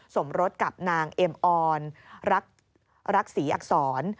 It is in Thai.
สมรสกับนางเอ็มออนรักศรีอักษร